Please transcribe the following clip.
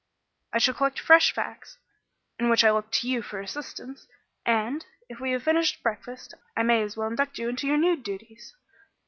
"I shall collect fresh facts, in which I look to you for assistance, and, if we have finished breakfast, I may as well induct you into your new duties."